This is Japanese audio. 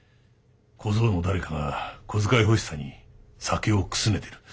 小僧の誰かが小遣い欲しさに酒をくすねてる。